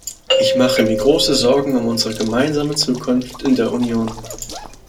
Ich mache mir große Sorgen um unsere gemeinsame Zukunft in der Union.